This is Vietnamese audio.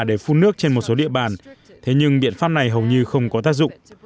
để phun nước trên một số địa bàn thế nhưng biện pháp này hầu như không có tác dụng